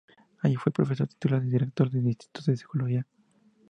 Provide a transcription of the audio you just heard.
Allí fue profesor titular y director del Instituto de Psicología.